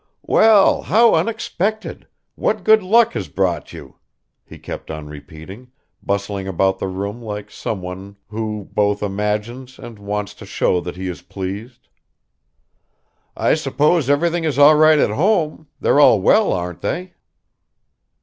"Well, how unexpected! What good luck has brought you?" he kept on repeating, bustling about the room like someone who both imagines and wants to show that he is pleased. "I suppose everything is all right at home; they're all well, aren't they?"